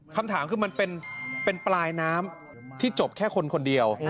คำถามคือมันเป็นปลายน้ำที่จบแค่คนคนเดียว